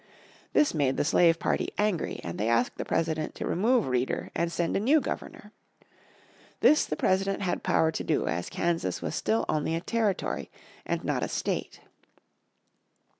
This made the slave party angry and they asked the President to remove Reeder and send a new Governor. This the President had power to do, as Texas was still only a Territory and not a state.